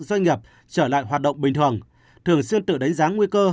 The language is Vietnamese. doanh nghiệp trở lại hoạt động bình thường thường xuyên tự đánh giá nguy cơ